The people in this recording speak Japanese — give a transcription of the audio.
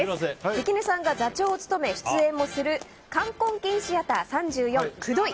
関根さんが座長を務め出演もする「カンコンキンシアター３４クドい！